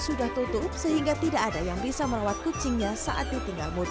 sudah tutup sehingga tidak ada yang bisa merawat kucingnya dan juga berada di dalam kawasan yang berbeda